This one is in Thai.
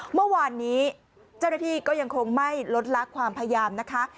เมื่อวานนี้เจ้าหน้าที่ก็ยังคงไม่ลดลักความพยายามนะคะ